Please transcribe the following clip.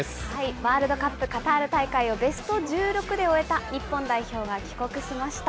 ワールドカップカタール大会をベスト１６で終えた日本代表が帰国しました。